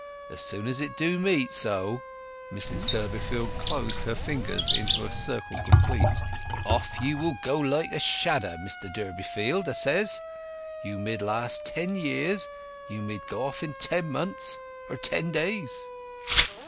'As soon as it do meet, so,'"—Mrs Durbeyfield closed her fingers into a circle complete—"'off you will go like a shadder, Mr Durbeyfield,' 'a says. 'You mid last ten years; you mid go off in ten months, or ten days.